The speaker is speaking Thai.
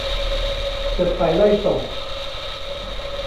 เสือกไสไล่ส่ง